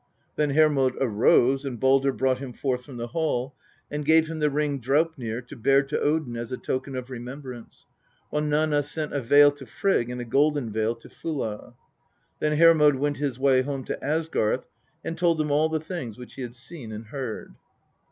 Then Hermod arose, and Baldr brought him forth from the hall, and gave him the ring Draupnir to bear to Odin as a token of remembrance, while Nanna sent a veil to Frigg and a golden veil to Fulla. Then Hermod went his way home to Asgarth, and told them all the things which he had seen and heard."